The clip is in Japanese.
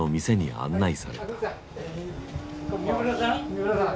・三浦さん